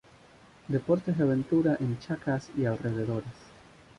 Deportes de aventura en Chacas y alrededores.